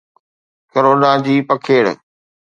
corona جي پکيڙ